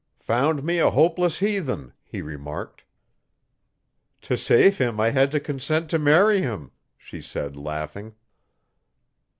'Found me a hopeless heathen,' he remarked. 'To save him I had to consent to marry him,' she said, laughing.